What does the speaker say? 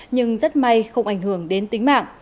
nhưng rất may không ảnh hưởng đến tính mạng